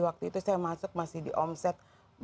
waktu itu saya masuk masih di omset dua ratus lima puluh